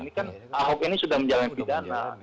ini kan ahok ini sudah menjalani pidana